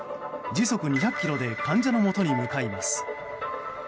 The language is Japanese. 時速２００キロで患者のもとに向かいます。